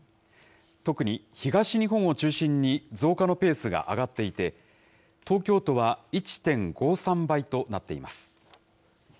特に東日本を中心に増加のペースが上がっていて、東京都は１．５３倍となっています。